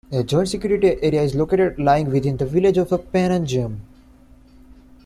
The Joint Security Area is located at lying within the village of Panmunjom.